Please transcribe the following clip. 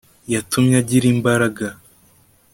yatumye agira imbaraga